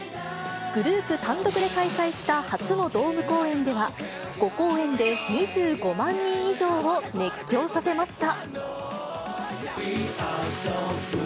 グループ単独で開催した初のドーム公演では、５公演で２５万人以上を熱狂させました。